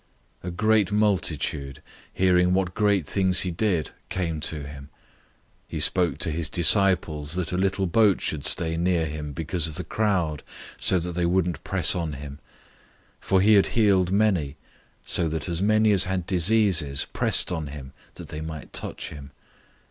A great multitude, hearing what great things he did, came to him. 003:009 He spoke to his disciples that a little boat should stay near him because of the crowd, so that they wouldn't press on him. 003:010 For he had healed many, so that as many as had diseases pressed on him that they might touch him.